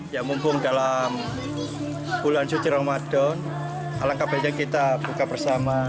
ya mumpung dalam bulan suci ramadan alangkah baiknya kita buka bersama